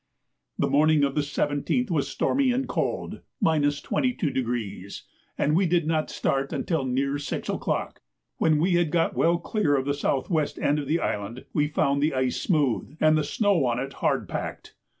The morning of the 17th was stormy and cold ( 22°), and we did not start until near 6 o'clock; when we had got well clear of the S.W. end of the island, we found the ice smooth, and the snow on it hard packed.